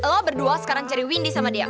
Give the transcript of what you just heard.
lo berdua sekarang cari windy sama dia